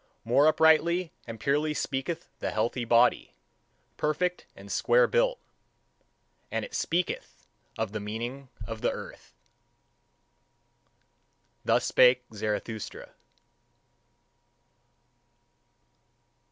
More uprightly and purely speaketh the healthy body, perfect and square built; and it speaketh of the meaning of the earth. Thus spake Zarathustra.